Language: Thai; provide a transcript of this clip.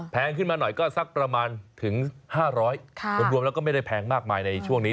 ขึ้นมาหน่อยก็สักประมาณถึง๕๐๐รวมแล้วก็ไม่ได้แพงมากมายในช่วงนี้